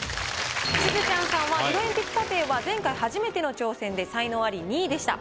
しずちゃんさんは色鉛筆査定は前回初めての挑戦で才能アリ２位でした。